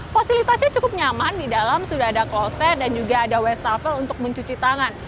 fasilitasnya cukup nyaman di dalam sudah ada closet dan juga ada wastafel untuk mencuci tangan